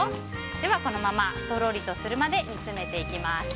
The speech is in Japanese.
このままとろりとするまで煮詰めていきます。